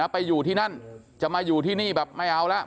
ไปอยู่ที่นั่นจะมาอยู่ที่นี่แบบไม่เอาแล้ว